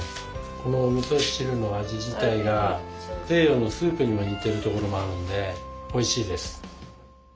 このおみそ汁の味自体が西洋のスープにも似てるところもあるんでおいしいです。